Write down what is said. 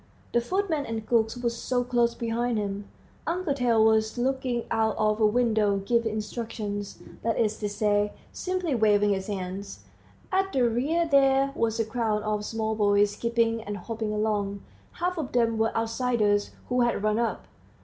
The footmen and cooks were close behind him; Uncle Tail was looking out of a window, giving instructions, that is to say, simply waving his hands. At the rear there was a crowd of small boys skipping and hopping along; half of them were outsiders who had run up.